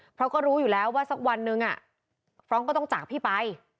เพราะก็รู้อยู่แล้วว่าสักวันหนึ่งฟรองก์ก็ต้องจากพี่ไป